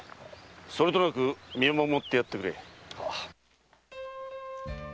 それとなく見守ってやってくれ。